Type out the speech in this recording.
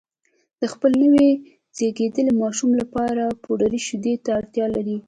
د خپل نوي زېږېدلي ماشوم لپاره پوډري شیدو ته اړتیا لري